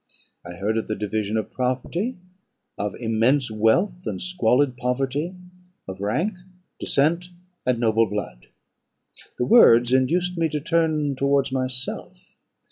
I heard of the division of property, of immense wealth and squalid poverty; of rank, descent, and noble blood. "The words induced me to turn towards myself.